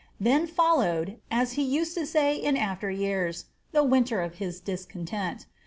Then followed, as he used to say in after years, the "winter of his discontent."